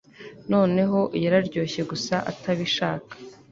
noneho yararyoshye gusa atabishaka